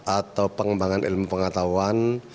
atau pengembangan ilmu pengetahuan